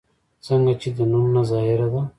څنګه چې د نوم نه ظاهره ده